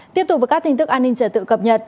tiếp tục với các tin tức an ninh trở tự cập nhật